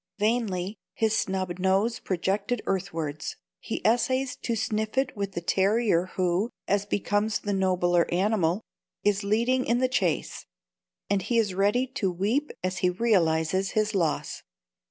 Vainly, his snub nose projected earthwards, he essays to sniff it with the terrier who (as becomes the nobler animal) is leading in the chase; and he is ready to weep as he realises his loss.